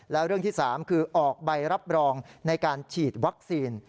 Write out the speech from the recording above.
และเรื่องที่๓คือออกใบรับรองในการฉีดวัคซีน